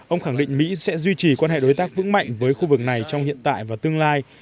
ông khẳng định mỹ sẽ duy trì quan hệ đối tác vững mạnh với khu vực này trong hiện tại và tương lai